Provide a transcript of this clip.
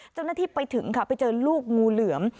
เจ้าหน้าที่ไปถึงค่ะไปเจอลูกงูเหลือม